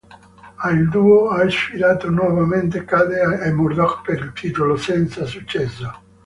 A il duo ha sfidato nuovamente Cade e Murdoch per il titolo, senza successo.